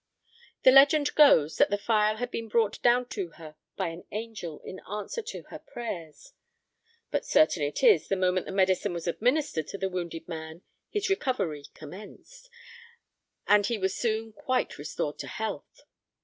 The legend goes that the phial had been brought down to her by an angel, in answer to her prayers; but certain it is, the moment the medicine was administered to the wounded man his recovery commenced, and he was soon quite restored to health.